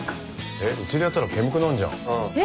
えっうちでやったら煙くなんじゃん。